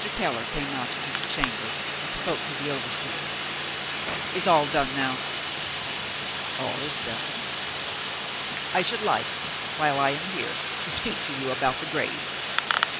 Keller came out into the chamber, and spoke to the overseer. "Is all done now?" "All is done." "I should like, while I am here, to speak to you about the grave."